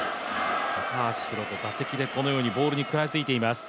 高橋宏斗、打席でこのようにボールに食らいついています。